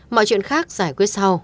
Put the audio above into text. mọi chuyện khác giải quyết sau